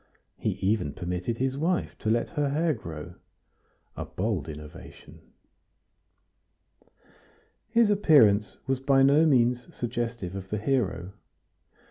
He even permitted his wife to let her hair grow, a bold innovation. His appearance was by no means suggestive of the hero.